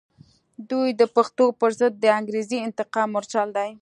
دوی د پښتنو پر ضد د انګریزي انتقام مورچل دی.